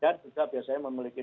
dan juga biasanya memiliki